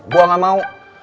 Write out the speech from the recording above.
gue gak mau